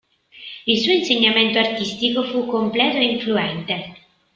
Il suo insegnamento artistico fu completo e influente.